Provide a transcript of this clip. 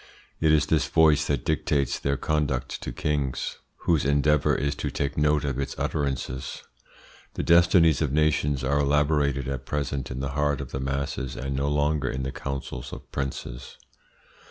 It is this voice that dictates their conduct to kings, whose endeavour is to take note of its utterances. The destinies of nations are elaborated at present in the heart of the masses, and no longer in the councils of princes.